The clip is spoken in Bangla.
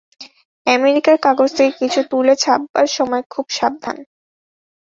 আমেরিকার কাগজ থেকে কিছু তুলে ছাপবার সময় খুব সাবধান।